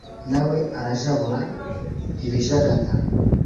nawe urajabura ibijagata